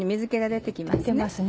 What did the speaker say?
出てますね。